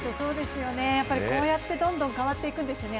こうやってどんどん変わっていくんですね。